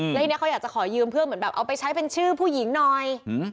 แล้วทีนี้เขาอยากจะขอยืมเพื่อเหมือนแบบเอาไปใช้เป็นชื่อผู้หญิงหน่อย